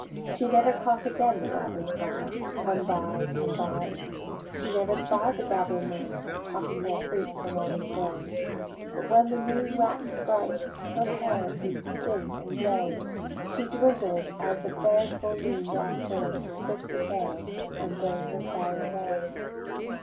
She never caught again the goblin cry: "Come buy, come buy;" She never spied the goblin men Hawking their fruits along the glen: But when the noon wax'd bright Her hair grew thin and grey; She dwindled, as the fair full moon doth turn To swift decay and burn Her fire away.